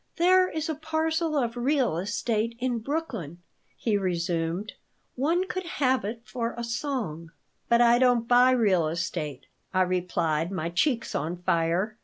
"There is a parcel of real estate in Brooklyn," he resumed. "One could have it for a song." "But I don't buy real estate," I replied, my cheeks on fire.